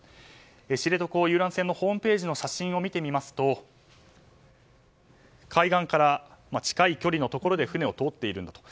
知床遊覧船のホームページの写真を見てみますと海岸から近い距離のところで船を通っていると。